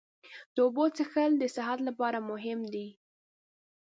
د اوبو څښل د صحت لپاره مهم دي.